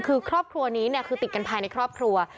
คือครอบครัวนี้เนี่ยคือติดกันภายในครอบครัว